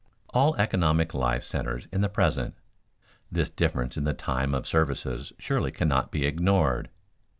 All economic life centers in the present. This difference in the time of services surely cannot be ignored.